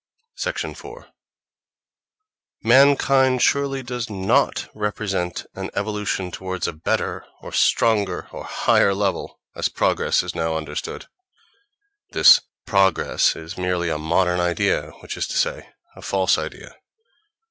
4. Mankind surely does not represent an evolution toward a better or stronger or higher level, as progress is now understood. This "progress" is merely a modern idea, which is to say, a false idea.